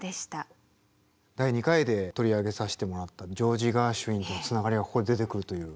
第２回で取り上げさせてもらったジョージ・ガーシュウィンとのつながりがここで出てくるという。